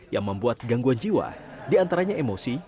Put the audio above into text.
yang membuat gangguan jiwa diantaranya emosi